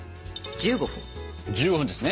１５分ですね。